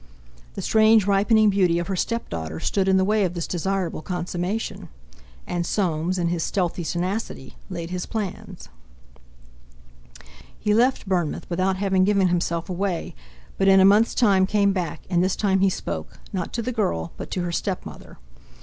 The strange ripening beauty of her stepdaughter stood in the way of this desirable consummation. And Soames, in his stealthy tenacity, laid his plans. He left Bournemouth without having given himself away, but in a month's time came back, and this time he spoke, not to the girl, but to her stepmother.